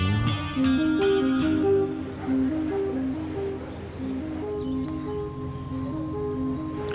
kalau akang tetep pensiun